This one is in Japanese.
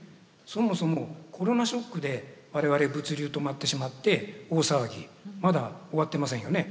そもそもコロナショックで我々物流止まってしまって大騒ぎまだ終わってませんよね。